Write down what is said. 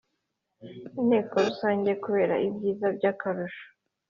Inteko Rusange kubera ibyiza by akarusho